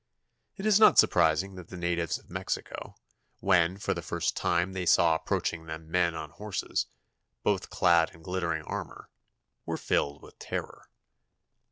It is not surprising that the natives of Mexico, when for the first time they saw approaching them men on horses, both clad in glittering armor, were filled with terror.